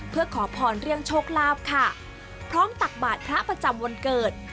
เพื่อขอพรเรื่องโชคลาภค่ะพร้อมตักบาทพระประจำวันเกิด